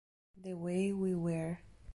The Way We Were